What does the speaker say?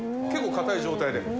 結構、硬い状態で。